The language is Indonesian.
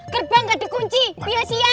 gerbang gak di kunci pia sia